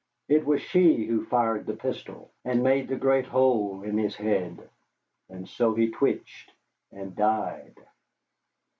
It was she who fired the pistol and made the great hole in his head, and so he twitched and died.